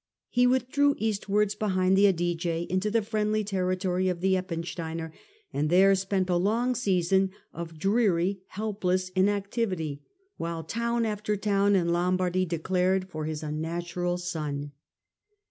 He withdrew east wards behind the Adige into the friendly territory of the Eppensteiner, and there spent a long season of dreary, helpless inactivity, while town after town in Lom bardy declared for his unnatural son.